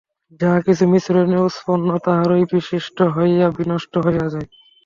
যাহা কিছু মিশ্রণে উৎপন্ন, তাহাই বিশ্লিষ্ট হইয়া বিনষ্ট হইয়া যায়।